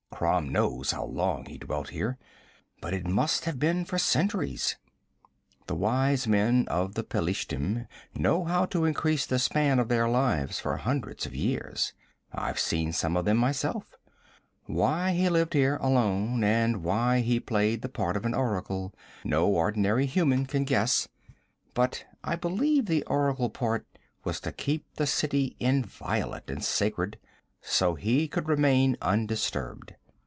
Crom knows how long he dwelt here, but it must have been for centuries. The wise men of the Pelishtim know how to increase the span of their lives for hundreds of years. I've seen some of them myself. Why he lived here alone, and why he played the part of oracle no ordinary human can guess, but I believe the oracle part was to keep the city inviolate and sacred, so he could remain undisturbed.